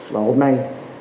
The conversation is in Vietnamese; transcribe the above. và hôm nay